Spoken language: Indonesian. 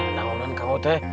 nah menanggungan kamu teh